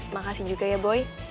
makasih juga ya boy